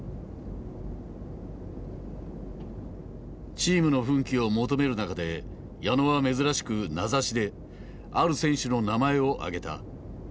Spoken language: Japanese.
チームの奮起を求める中で矢野は珍しく名指しである選手の名前を挙げた。